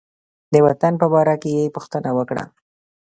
د وطن په باره کې یې پوښتنه وکړه.